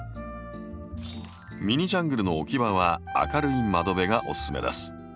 ミニジャングルの置き場は明るい窓辺がおすすめです。